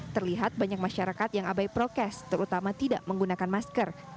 terlihat banyak masyarakat yang abai prokes terutama tidak menggunakan masker